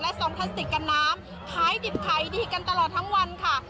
ซองพลาสติกกันน้ำขายดิบขายดีกันตลอดทั้งวันค่ะ